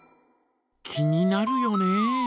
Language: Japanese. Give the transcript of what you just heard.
気になるよね。